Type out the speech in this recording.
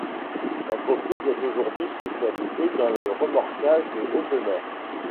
L'entreprise est aujourd'hui spécialisée dans le remorquage de haute mer.